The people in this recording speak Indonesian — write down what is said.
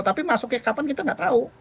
tapi masuknya kapan kita nggak tahu